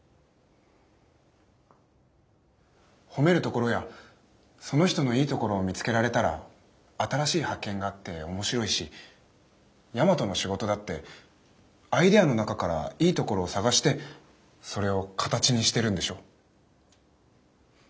褒めるところやその人のいいところを見つけられたら新しい発見があって面白いし大和の仕事だってアイデアの中からいいところを探してそれを形にしてるんでしょ。